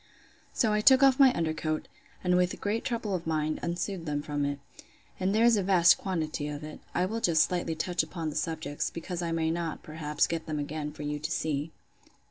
So I took off my under coat, and with great trouble of mind, unsewed them from it. And there is a vast quantity of it. I will just slightly touch upon the subjects; because I may not, perhaps, get them again for you to see.